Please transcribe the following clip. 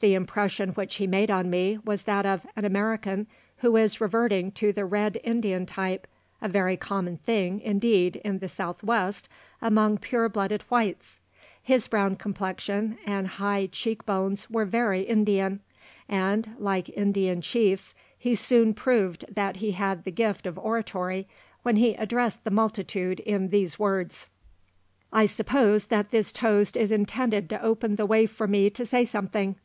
The impression which he made on me was that of an American who is reverting to the Red Indian type a very common thing, indeed, in the South West among pure blooded whites. His brown complexion and high cheek bones were very Indian. And, like the Indian chiefs, he soon proved that he had the gift of oratory when he addressed the multitude in these words "I suppose that this toast is intended to open the way for me to say something.